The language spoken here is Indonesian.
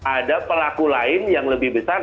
ada pelaku lain yang lebih besar